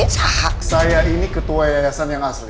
hak saya ini ketua yayasan yang asli